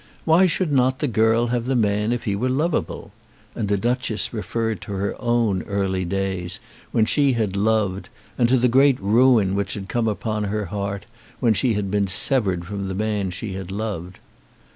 Why should not the girl have the man if he were lovable? And the Duchess referred to her own early days when she had loved, and to the great ruin which had come upon her heart when she had been severed from the man she had loved.